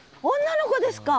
女の子ですか。